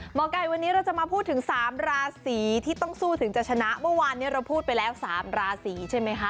หมอไก่วันนี้เราจะมาพูดถึง๓ราศีที่ต้องสู้ถึงจะชนะเมื่อวานนี้เราพูดไปแล้ว๓ราศีใช่ไหมคะ